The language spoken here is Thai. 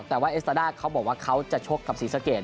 แต่ว่าเอสตาด้าเขาบอกว่าเขาจะชกกับศรีสะเกด